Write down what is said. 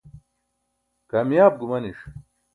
kamiyaab gumaniṣ